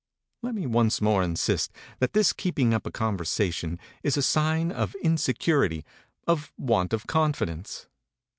Let me once more insist that this keeping up a conversation is a sign of insecurity, of want of confidence.